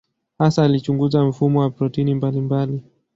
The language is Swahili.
Hasa alichunguza mfumo wa protini mbalimbali.